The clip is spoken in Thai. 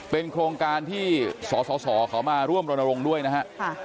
เป็นโครงการที่สสเขามาร่วมรณรงค์ด้วยนะฮะ